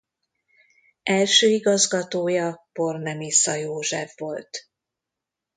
Első igazgatója Bornemissza József volt.